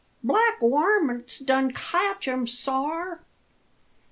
sar! black warmints done catch um, sar!"